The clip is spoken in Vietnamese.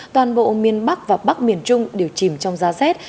toàn bộ miền bắc và bắc miền trung đều chìm trong giá rét